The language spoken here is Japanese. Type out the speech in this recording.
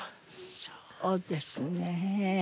そうですね。